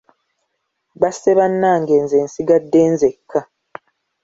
Basse bannange nze nsigadde nzekka.